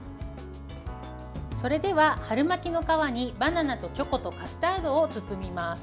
それでは春巻きの皮にバナナとチョコとカスタードを包みます。